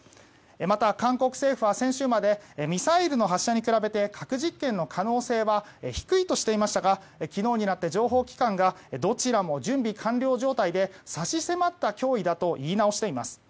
また、韓国政府は先週までミサイルの発射は核実験の可能性は低いとしていましたが昨日になって情報機関がどちらも準備完了状態で差し迫った脅威だと言い直しています。